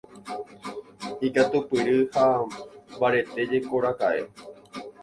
Ikatupyry ha mbaretéjekoraka'e.